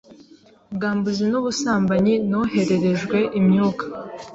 ubwambuzi n’ubusambanyi, nohererejwe imyuka